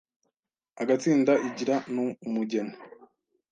Agatsinda igira n'umugeni